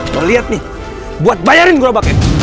lo liat nih buat bayarin gerobaknya